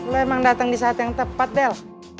lo emang dateng di saat yang tepat del